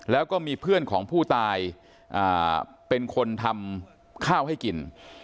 แล้วก็มีเพื่อนของผู้ตายเป็นคนทำข้าวให้กิน